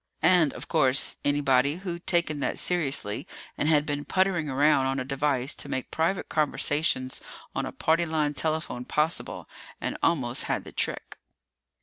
And, of course, anybody who'd taken that seriously and had been puttering around on a device to make private conversations on a party line telephone possible, and almost had the trick.